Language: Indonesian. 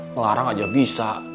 melarang aja bisa